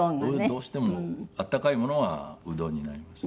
どうしても温かいものはうどんになりますね。